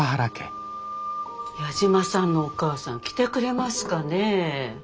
矢島さんのお母さん来てくれますかね？